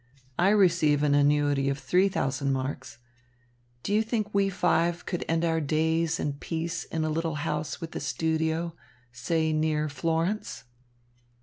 I receive an annuity of three thousand marks. Do you think we five could end our days in peace in a little house with a studio, say, near Florence?"